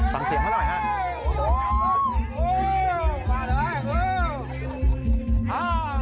ฟังเสียงเขาหน่อยฮะ